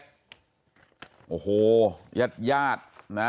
โอ้โหญาติครอบครัวของผู้ตายเข้ามาแบบโกรธแค้นกันเลยล่ะเดี๋ยวลองดูตรงนี้หน่อยนะฮะ